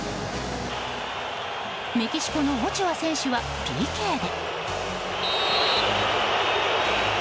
メキシコのオチョア選手はＰＫで。